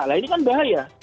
nah ini kan bahaya